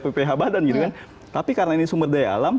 pph badan tapi karena ini sumber daya alam